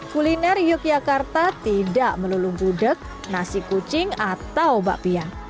kuliner yogyakarta tidak melulung gudeg nasi kucing atau bakpia